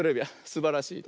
すばらしい。